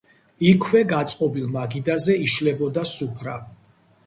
იქვე გაწყობილ მაგიდაზე იშლებოდა სუფრა.